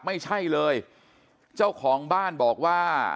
ไม่ใช่เลยเจ้าของบ้านบอกว่า